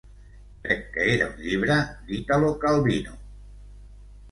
Crec que era un llibre d'Italo Calvino...